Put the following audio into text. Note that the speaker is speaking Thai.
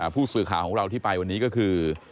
ผู้สื่อข่าวของเราที่ไปวันนี้ก็คือ